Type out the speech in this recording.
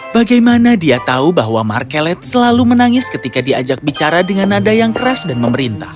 bagaimana dia tahu bahwa markelet selalu menangis ketika diajak bicara dengan nada yang keras dan memerintah